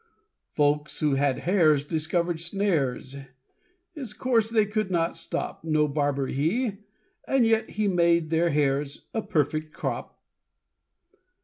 Folks who had hares discovered snares His course they could not stop: No barber he, and yet he made Their hares a perfect crop.